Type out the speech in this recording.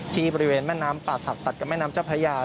ที่บริเวณแม่น้ำป่าศักดิ์ตัดกับแม่น้ำเจ้าพระยา